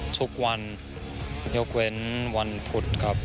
ทุกวันยกเว้นวันพุธครับ